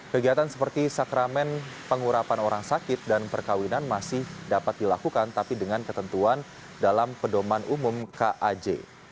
kegiatan seperti sakramen pengurapan orang sakit dan perkawinan masih dapat dilakukan tapi dengan ketentuan dalam pedoman umum kaj